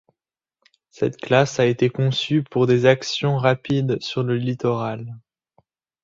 Cette classe a été conçue pour des actions rapides sur le littoral.